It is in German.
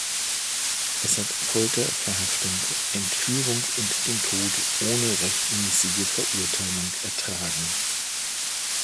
Es hat Folter, Verhaftung, Entführung und den Tod ohne rechtmäßige Verurteilung ertragen.